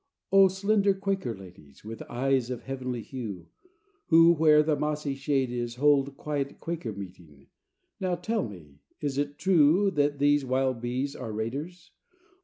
O slender Quaker ladies, With eyes of heavenly hue, Who, where the mossy shade is, Hold quiet Quaker meeting, Now tell me, is it true That these wild bees are raiders?